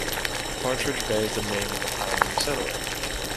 Partridge bears the name of a pioneer settler.